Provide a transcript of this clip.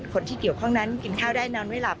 คนที่เกี่ยวข้องนั้นกินข้าวได้นอนไม่หลับ